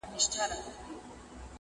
له عطاره یې عطرونه رانیوله؛